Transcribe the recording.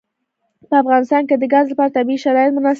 په افغانستان کې د ګاز لپاره طبیعي شرایط مناسب دي.